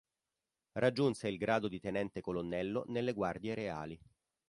Raggiunse il grado di tenente colonnello nelle Guardie Reali.